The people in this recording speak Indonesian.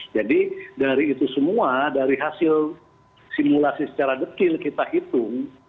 jadi dari itu semua dari hasil simulasi secara detil kita hitung